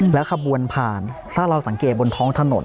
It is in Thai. แล้วขบวนผ่านถ้าเราสังเกตบนท้องถนน